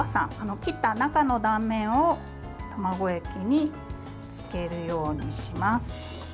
切った中の断面を卵液に漬けるようにします。